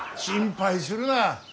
心配するな。